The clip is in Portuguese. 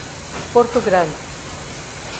Porto Grande